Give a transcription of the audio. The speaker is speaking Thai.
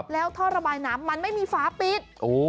แล้วท่อระบายน้ำมันไม่มีฝาปิด